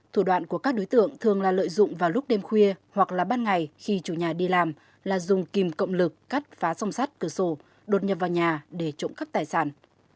thủ đoạn của các đối tượng thường là lợi dụng vào lúc đêm khuya hoặc là ban ngày khi chủ nhà đi làm là dùng kìm cộng lực cắt phá song sắt cửa sổ đột nhập vào nhà để trộm cắp tài sản